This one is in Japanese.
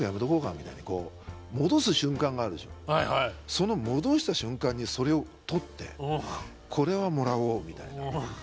その戻した瞬間にそれを取ってこれはもらおうみたいな。